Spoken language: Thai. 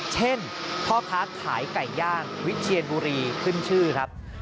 พ่อค้าขายไก่ย่างวิเชียนบุรีขึ้นชื่อครับ